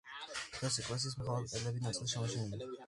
დღეს ეკლესიის მხოლოდ კედლების ნაწილია შემორჩენილი.